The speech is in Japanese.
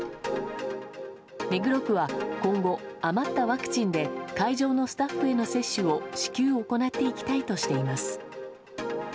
目黒区は今後、余ったワクチンで会場のスタッフへの接種を至急行っていきたいとしています。